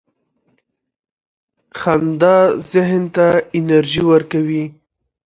• خندا ذهن ته انرژي ورکوي.